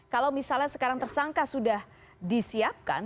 kalau misalnya sekarang tersangka sudah disiapkan